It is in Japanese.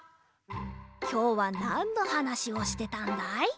きょうはなんのはなしをしてたんだい？